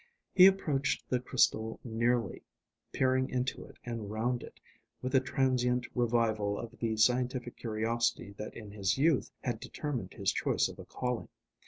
He approached the crystal nearly, peering into it and round it, with a transient revival of the scientific curiosity that in his youth had determined his choice of a calling.